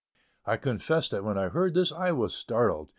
'" I confess that when I heard this I was startled.